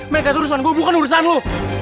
mereka itu urusan gue bukan urusan lo